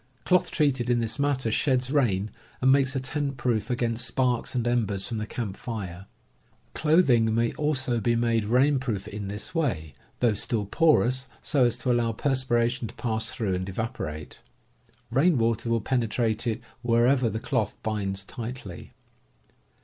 Cloth treated in this manner sheds rain, and makes a tent proof against sparks and embers from the camp fire. Clothing may also be made rain proof in this way, though still porous, so as to allow perspiration to pass through and evaporate. Rain water will penetrate it wherever the cloth binds tightly.